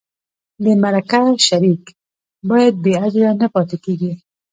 د مرکه شریک باید بې اجره نه پاتې کېږي.